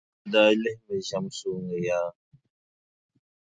Yobaa daa lihimi ʒɛm sooŋa yaa.